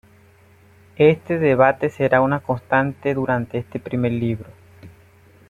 Este debate será una constante durante este primer libro.